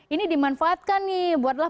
ini dimanfaatkan nih buatlah